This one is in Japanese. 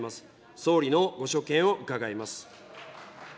総理のご所見を伺います。